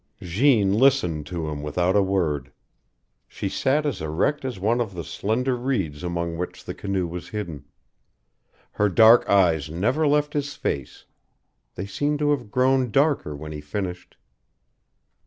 Jeanne listened to him without a word. She sat as erect as one of the slender reeds among which the canoe was hidden. Her dark eyes never left his face. They seemed to have grown darker when he finished.